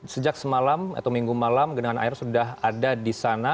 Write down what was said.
sejak semalam atau minggu malam genangan air sudah ada di sana